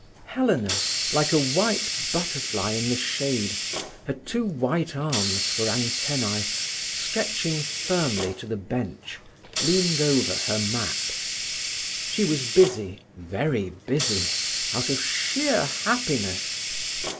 Helena, like a white butterfly in the shade, her two white arms for antennae stretching firmly to the bench, leaned over her map. She was busy, very busy, out of sheer happiness.